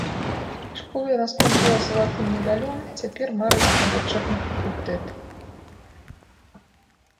Школу яна скончыла з залатым медалём, цяпер марыць пра лячэбны факультэт.